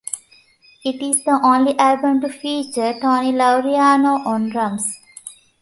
It is the only album to feature Tony Laureano on drums.